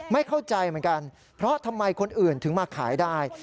ไม่เข้าใจเหมือนกันเพราะทำไมคนอื่นถึงมาขายได้